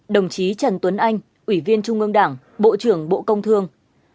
ba mươi hai đồng chí trần tuấn anh ủy viên trung ương đảng bộ trưởng bộ công thương